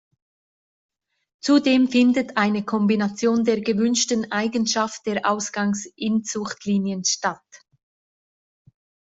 Zudem findet eine Kombination der gewünschten Eigenschaft der Ausgangs-Inzuchtlinien statt.